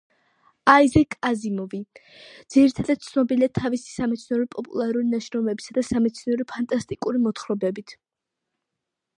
აიზეკ აზიმოვი ძირითადად ცნობილია თავისი სამეცნიერო პოპულარული ნაშრომებისა და სამეცნიერო ფანტასტიკური მოთხრობებით.